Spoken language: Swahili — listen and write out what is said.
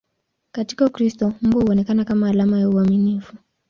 Katika Ukristo, mbwa huonekana kama alama ya uaminifu.